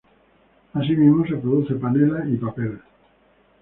Asimismo, se produce panela y papel.